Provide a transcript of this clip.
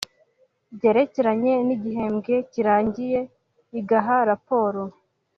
byerekeranye n igihembwe kirangiye igaha raporo